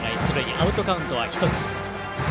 アウトカウントは１つ。